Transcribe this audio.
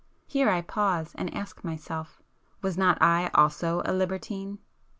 Here I pause and ask myself,—Was not I also a libertine?